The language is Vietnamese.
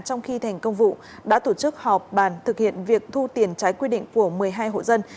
trong khi thành công vụ đã tổ chức họp bàn thực hiện việc thu tiền trái quy định của một mươi hai hộ dân